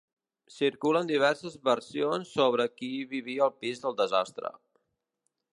Circulen diverses versions sobre qui vivia al pis del desastre.